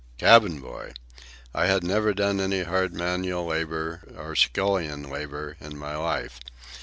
Cabin boy! I had never done any hard manual labour, or scullion labour, in my life.